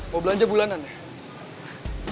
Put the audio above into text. mau belanja bulanan ya